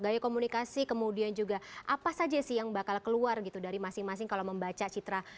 gaya komunikasi kemudian juga apa saja sih yang bakal keluar gitu dari masing masing kalau membaca citra